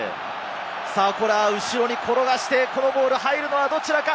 これは後に転がして、このボール入るのはどちらか？